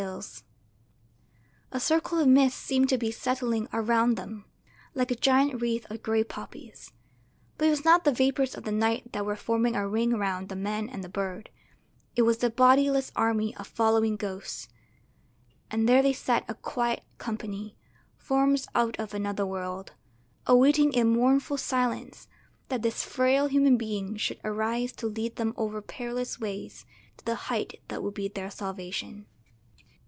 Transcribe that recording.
[Illustration: A circle of mist seemed to be settling around them.] A circle of mist seemed to be settling around them, like a giant wreath of grey poppies; but it was not the vapours of the night that were forming a ring round the man and the bird it was the bodiless army of following ghosts; and there they sat a quiet company, forms out of another world, awaiting in mournful silence that this frail human being should arise to lead them over perilous ways to the height that would be their salvation.